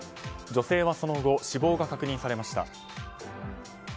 女性はその後、死亡が確認されました。